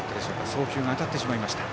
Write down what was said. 送球が当たってしまいました。